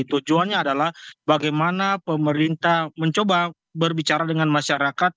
tujuannya adalah bagaimana pemerintah mencoba berbicara dengan masyarakat